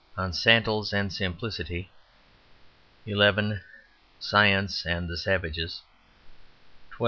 On Sandals and Simplicity 11. Science and the Savages 12.